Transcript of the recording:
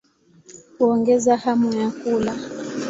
Huongeza hamu ya kula.